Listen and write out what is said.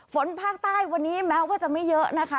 ฝนภาคใต้วันนี้แม้ว่าจะไม่เยอะนะคะ